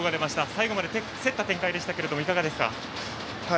最後まで競った展開でしたがいかがですか？